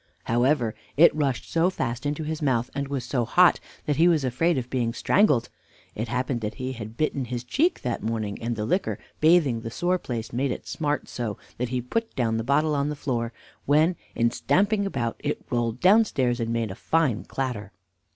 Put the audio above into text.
However, it rushed so fast into his mouth, and was so hot, that he was afraid of being strangled. It happened that he had bitten his cheek that morning, and the liquor bathing the sore place made it smart so that he put down the bottle on the floor, when, in stamping about, it rolled downstairs and made a fine clatter.